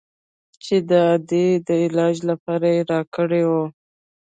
چې د ادې د علاج لپاره يې راکړى و.